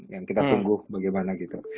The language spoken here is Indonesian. yang kita tunggu bagaimana gitu